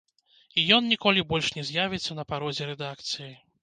І ён ніколі больш не з'явіцца на парозе рэдакцыі.